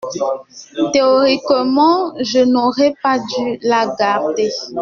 Théoriquement, je n’aurais pas dû la garder.